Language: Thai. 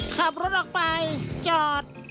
ขับรถออกไปจอด